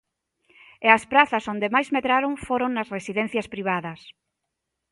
E as prazas onde máis medraron foron nas residencias privadas.